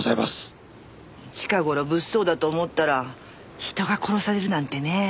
近頃物騒だと思ったら人が殺されるなんてねえ。